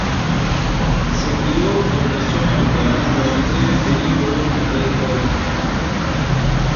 Se crio en una zona rural tras un breve periodo en Reikiavik.